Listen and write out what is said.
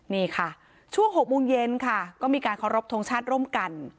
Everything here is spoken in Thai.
นี่ค่ะช่วง๖โมงเย็นค่ะก็มีการเคารพทงชาติร่วมกัน